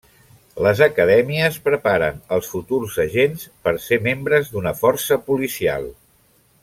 Les acadèmies preparen als futurs agents per ser membres d'una força policial.